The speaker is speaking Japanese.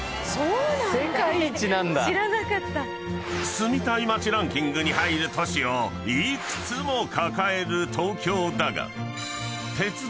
［住みたい街ランキングに入る都市を幾つも抱える東京だが］